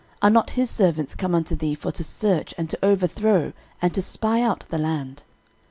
are not his servants come unto thee for to search, and to overthrow, and to spy out the land?